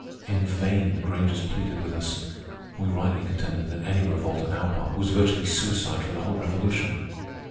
In vain the Grangers pleaded with us. We rightly contended that any revolt on our part was virtually suicide for the whole Revolution.